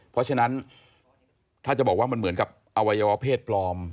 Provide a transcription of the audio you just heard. เพราะฉะนั้นถ้าจะบอกว่ามันเหมือนกับอวัยวะเพศปลอม